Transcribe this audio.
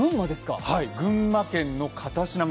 群馬県の片品村。